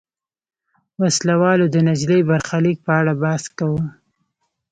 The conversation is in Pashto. وسله والو د نجلۍ برخلیک په اړه بحث کاوه.